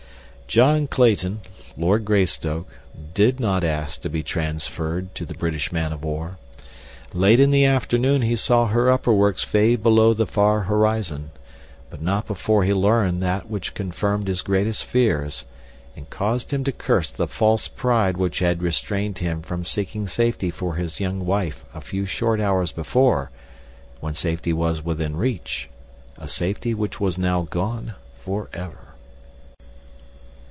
John Clayton, Lord Greystoke, did not ask to be transferred to the British man of war. Late in the afternoon he saw her upper works fade below the far horizon, but not before he learned that which confirmed his greatest fears, and caused him to curse the false pride which had restrained him from seeking safety for his young wife a few short hours before, when safety was within reach—a safety which was now gone forever.